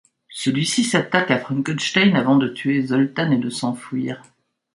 Celui-ci s'attaque à Frankenstein avant de tuer Zoltan et de s'enfuir.